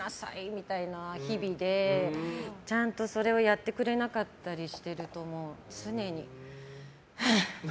みたいな日々でちゃんとそれをやってくれなかったりすると常に、はぁって。